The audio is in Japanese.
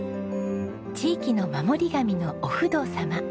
地域の守り神のお不動様。